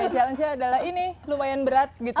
challenge nya adalah ini lumayan berat gitu